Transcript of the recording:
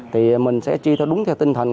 thì mình sẽ chia sẻ đúng theo tinh thần